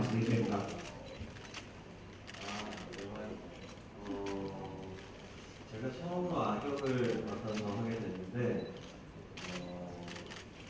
อเจมส์อศัพท์อศัพท์อศัพท์อศัพท์